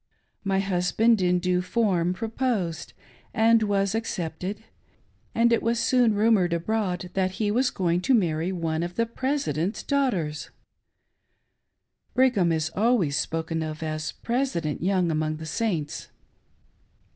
My husband in due form proposed, and was accepted ; and it was soon rumored abroad that he was going to marry one of the " President's " daughters, ^Brigham is always spoken of as " President " Young among th^ Saints.